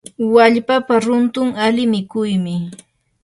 wallpapa runtun ali mikuymi.